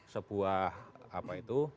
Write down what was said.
sebuah apa itu